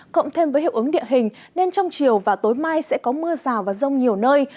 cộng thêm với hiệu ứng địa hình nên trong chiều và tối mai sẽ có mưa rào và rông nhiều nơi